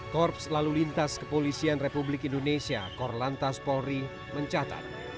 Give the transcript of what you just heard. korps lalu lintas kepolisian republik indonesia korlantas polri mencatat